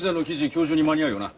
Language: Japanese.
今日中に間に合うよな？